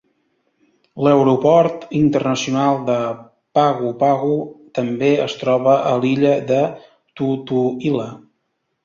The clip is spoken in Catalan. L'aeroport internacional de Pago Pago també es troba a l'illa de Tutuila.